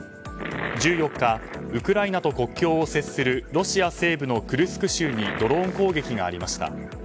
１４日ウクライナと国境を接するロシア西部のクルスク州にドローン攻撃がありました。